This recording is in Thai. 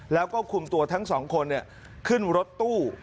แล้วก็คุมตัวทั้งสองคนเนี่ยคุมรถตู้